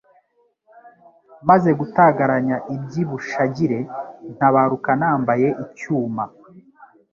Maze gutagaranya iby'i Bushagire, ntabaruka nambaye icyuma